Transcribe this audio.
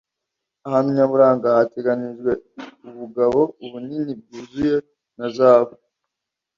Ahantu nyaburanga hateganijwe ubugabo, ubunini bwuzuye na zahabu.